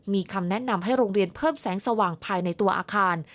มีคำแนะนำให้โรงเรียนเพิ่มแสงสว่างภายในตัวอาคาร